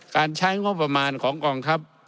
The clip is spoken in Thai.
การใช้งบประมาณของกองทัพ